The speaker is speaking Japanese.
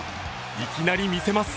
いきなり見せます。